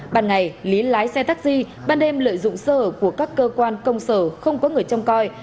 ban ngày lý lái xe taxi ban đêm lợi dụng sở của các cơ quan công sở không có người trong coi